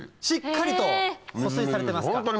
しっかりと保水されてますか。